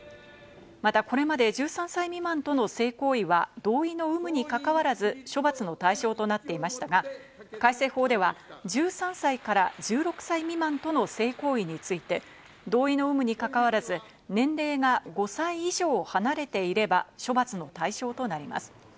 また、これまで１３歳未満との性行為は同意の有無に関わらず、処罰の対象となっていましたが、改正法では１３歳から１６歳未満との性行為について、同意の有無に関わらず、年齢が５歳以上離れていれば、処罰の対象となります。